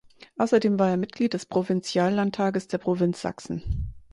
Außerdem war er Mitglied des Provinziallandtages der Provinz Sachsen.